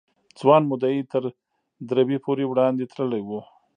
ځوان مدعي تر دربي پورې وړاندې تللی و.